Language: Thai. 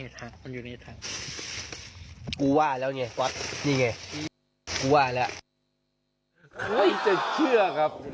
ใครจะเชื่อครับ